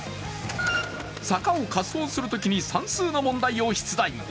坂を滑走するときに算数の問題を出題。